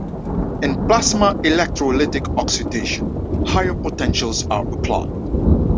In plasma electrolytic oxidation, higher potentials are applied.